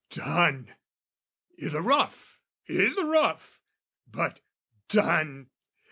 Done! I' the rough, i' the rough! But done!